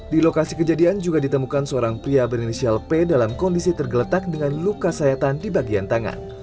di lokasi kejadian juga ditemukan seorang pria berinisial p dalam kondisi tergeletak dengan luka sayatan di bagian tangan